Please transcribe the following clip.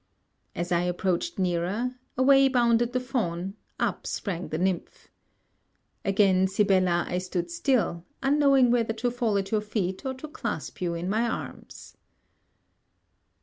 As I approached nearer, away bounded the fawn up sprang the nymph. Again, Sibella, I stood still, unknowing whether to fall at your feet or to clasp you in my arms.